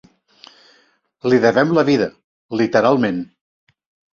Li devem la vida, literalment.